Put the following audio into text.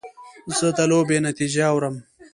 زه د لوبې نتیجه اورم.